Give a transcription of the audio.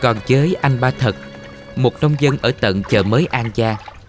còn chới anh ba thật một nông dân ở tận chợ mới an gia